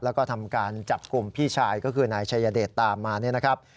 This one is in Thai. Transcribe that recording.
แล้วก็ทำการจับกลุ่มพี่ชายก็คือนายชายเดชตามมาเนี่ยนะครับ